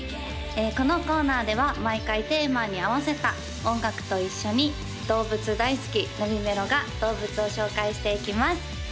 このコーナーでは毎回テーマに合わせた音楽と一緒に動物大好きなみめろが動物を紹介していきます